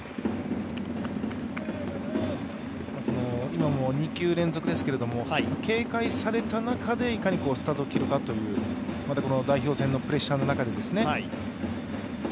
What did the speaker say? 今も２球連続ですけど、警戒された中でいかにスタートを切るかという、代表戦のプレッシャーの中でですね。